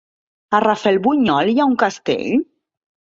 A Rafelbunyol hi ha un castell?